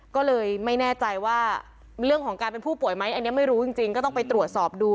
ก็เลยไม่แน่ใจว่าเรื่องของการเป็นผู้ป่วยไหมอันนี้ไม่รู้จริงก็ต้องไปตรวจสอบดู